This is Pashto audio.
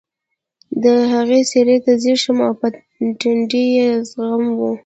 د هغې څېرې ته ځیر شوم او په ټنډه یې زخم و